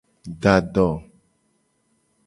Da do.